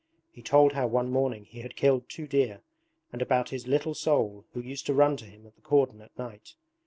He told how one morning he had killed two deer, and about his 'little soul' who used to run to him at the cordon at night.